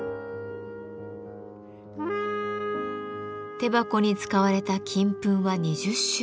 手箱に使われた金粉は２０種類。